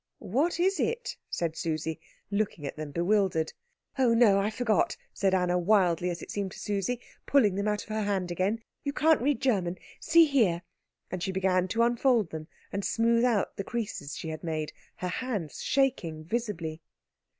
"What is it?" said Susie, looking at them bewildered. "Oh, no I forgot," said Anna, wildly as it seemed to Susie, pulling them out of her hand again. "You can't read German see here " And she began to unfold them and smooth out the creases she had made, her hands shaking visibly.